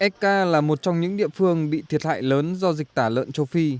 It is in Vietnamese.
ek là một trong những địa phương bị thiệt hại lớn do dịch tả lợn châu phi